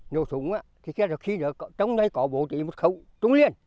nộ súng trong đây có một khẩu trúng liền